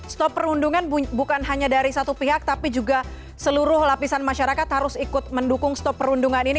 stop perundungan bukan hanya dari satu pihak tapi juga seluruh lapisan masyarakat harus ikut mendukung stop perundungan ini